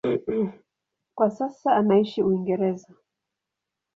Kwa sasa anaishi Uingereza.